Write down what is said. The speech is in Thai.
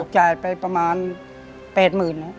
จ่ายไปประมาณ๘๐๐๐บาท